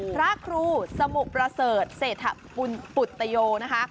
พระครูสมุประเสริฐเศรษฐุณปุตโยนะคะ